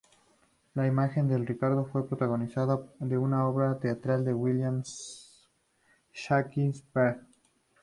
La imagen de Ricardo fue protagonista de una obra teatral de William Shakespeare.